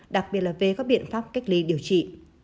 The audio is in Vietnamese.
đặc biệt là về các biện pháp cách ly điều trị